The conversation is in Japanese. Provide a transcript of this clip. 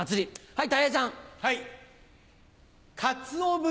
はい。